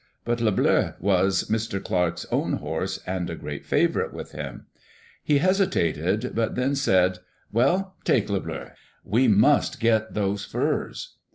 But Le Bleu was Mr. Clarke's own horse, and a great favorite with him. He hesitated, but then said : "Well, take Le Bleu. We must get those furs."